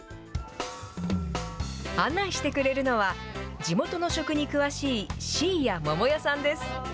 案内してくれるのは、地元の食に詳しい、椎屋百代さんです。